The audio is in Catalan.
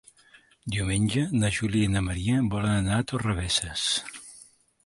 Diumenge na Júlia i na Maria volen anar a Torrebesses.